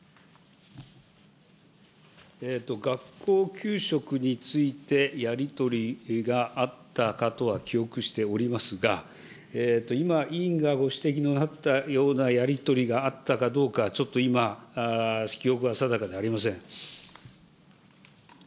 学校給食についてやり取りがあったかとは記憶しておりますが、今、委員がご指摘のあったようなやり取りがあったかどうか、ちょっと今、記憶が定かではありません。